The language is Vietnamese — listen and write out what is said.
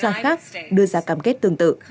quốc gia khác đưa ra cam kết tương tự